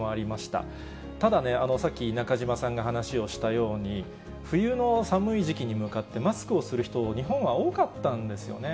ただね、さっき中島さんが話をしたように、冬の寒い時期に向かって、マスクをする人、日本は多かったんですよね。